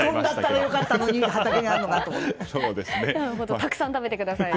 たくさん食べてくださいね。